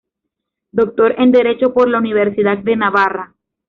Doctor en Derecho por la Universidad de Navarra.